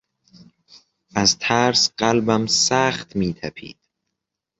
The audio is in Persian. از ترس قلبم سخت میتپید.